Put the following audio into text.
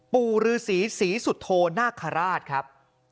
ปู่รือศรีศรีสุโทน่าขราชครับ